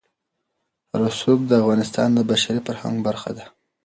رسوب د افغانستان د بشري فرهنګ برخه ده.